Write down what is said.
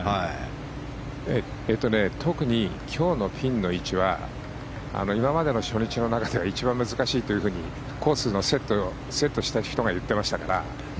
特に今日のピンの位置は今までの初日の中では一番難しいというふうにコースをセットした人が言っていましたから。